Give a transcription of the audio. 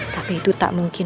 tapi itu tak mungkin